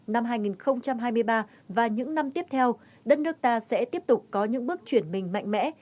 năm hai nghìn hai mươi ba và những năm tiếp theo đất nước ta sẽ tiếp tục có những bước chuyển mình mạnh mẽ